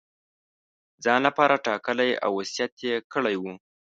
ځان لپاره ټاکلی او وصیت یې کړی وو.